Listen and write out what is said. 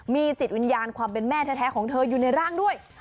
มีจิตวิญญาณความเป็นแม่แท้ของเธออยู่ในร่างด้วย